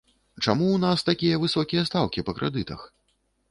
Чаму ў нас такія высокія стаўкі па крэдытах?